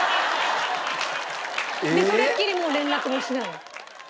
それっきりもう連絡もしないの？